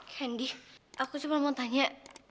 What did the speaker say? kendi aku cuma mau tanya